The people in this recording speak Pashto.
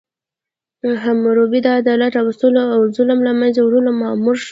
حموربي د عدالت راوستلو او ظلم له منځه وړلو مامور شو.